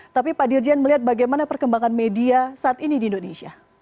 tapi pak dirjen melihat bagaimana perkembangan media saat ini di indonesia